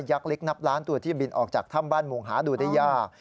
เล็กนับล้านตัวที่บินออกจากถ้ำบ้านมุงหาดูได้ยาก